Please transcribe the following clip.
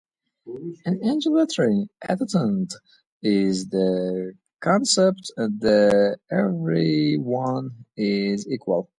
An egalitarian attitude is the concept that everyone is equal.